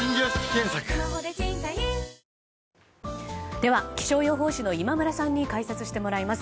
では、気象予報士の今村さんに解説してもらいます。